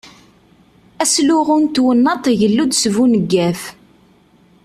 Asluɣu n twennaḍt igellu-d s buneggaf.